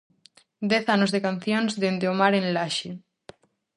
Dez anos de cancións dende o mar en Laxe.